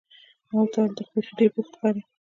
ما ورته وویل: ته خو بیخي ډېر بوخت ښکارې.